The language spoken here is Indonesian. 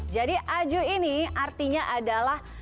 jadi aju ini artinya adalah